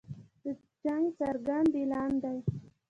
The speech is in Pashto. د جنګ څرګند اعلان دی.